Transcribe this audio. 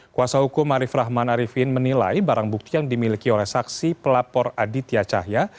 kuasa hukum arief rahman arifin menilai barang bukti yang dimiliki oleh saksi pelapor aditya cahya